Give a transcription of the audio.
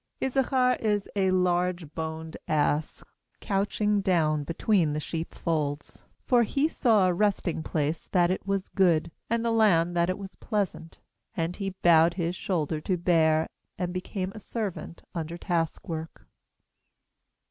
L4Issachar is a large boned ass, Couching down between the sheep folds. L5For he saw a resting place that it was good, • Heb. gedud. And the land that it was pleasant; And he bowed his shoulder to bear, And became a servant under task work.